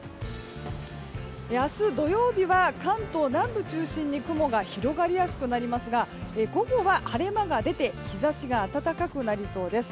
明日、土曜日は関東南部中心に雲が広がりやすくなりますが午後は晴れ間が出て日差しが温かくなりそうです。